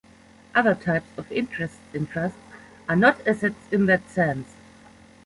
Other types of interests in trusts are not "assets" in that sense.